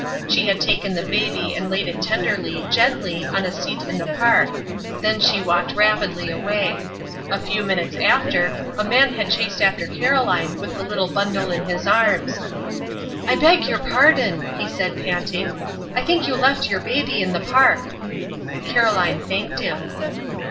She had taken the baby and laid it tenderly, gently on a seat in the park. Then she walked rapidly away. A few minutes after a man had chased after Caroline with the little bundle in his arms. "I beg your pardon," he said, panting, "I think you left your baby in the park." Caroline thanked him.